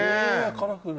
カラフル。